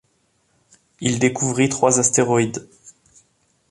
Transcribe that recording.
Il découvrit trois astéroïdes.